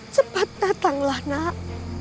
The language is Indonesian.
cepat datanglah nak